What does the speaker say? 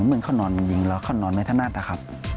เหมือนเขานอนยิงแล้วเขานอนไม่ถนัดนะครับ